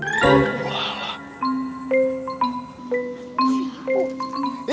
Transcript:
itu dia orangnya